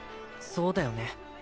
そうだよね